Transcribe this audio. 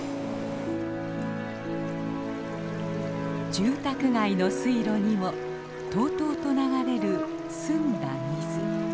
住宅街の水路にもとうとうと流れる澄んだ水。